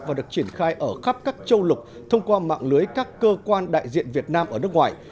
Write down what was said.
và được triển khai ở khắp các châu lục thông qua mạng lưới các cơ quan đại diện việt nam ở nước ngoài